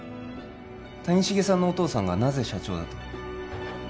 谷繁さんのお父さんがなぜ社長だと？